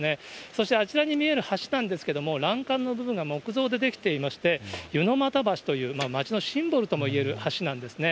そしてあちらに見える橋なんですけれども、欄干の部分が木造で出来ていまして、ゆのまた橋という町のシンボルともいえる橋なんですね。